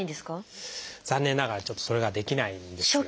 残念ながらちょっとそれができないんですよ。